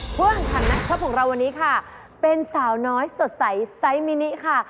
เพื่อหันถัดนักชอบของเราวันนี้ค่ะเป็นสาวน้อยสดใสไซส์มินิค่ะ